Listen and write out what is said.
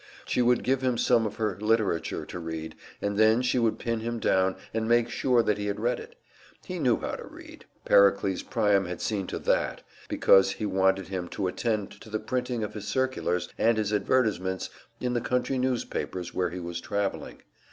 She would give him some of her "literature" to read, and then she would pin him down and make sure that he had read it. He knew how to read Pericles Priam had seen to that, because he wanted him to attend to the printing of his circulars and his advertisements in the country newspapers where he was traveling.